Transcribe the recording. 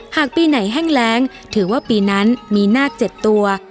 หากปีไหนแห้งแรงถือว่าปีนั้นมีนาค๗ตัว